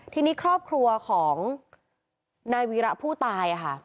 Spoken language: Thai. ทีนี้ครอบครัวของนายวีระผู้ตายค่ะ